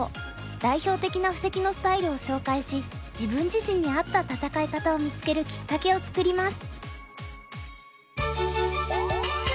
代表的な布石のスタイルを紹介し自分自身に合った戦い方を見つけるきっかけを作ります。